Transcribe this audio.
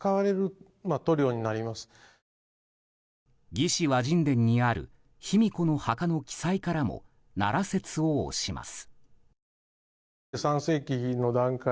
「魏志倭人伝」にある卑弥呼の墓の記載からも奈良説を推します。